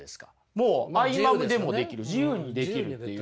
もう合間にでもできる自由にできるっていうね。